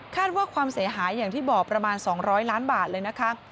ว่าความเสียหายอย่างที่บอกประมาณ๒๐๐ล้านบาทเลยนะคะ